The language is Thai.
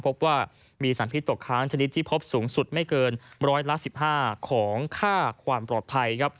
พบว่ามีสารพิษตกค้างชนิดที่พบสูงสุดไม่เกินร้อยละ๑๕ของค่าความปลอดภัยครับ